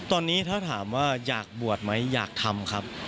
ตอนนี้ถ้าถามว่าอยากบวชไหมอยากทำครับ